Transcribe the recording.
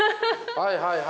はいはいはい。